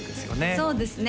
そうですね